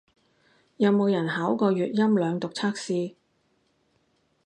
有冇人考過粵音朗讀測試